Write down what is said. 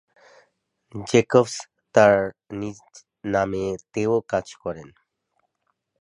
Jacobs তার নিজ নামে তেও কাজ করেন।